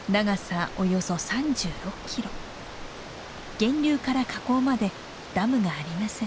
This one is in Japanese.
源流から河口までダムがありません。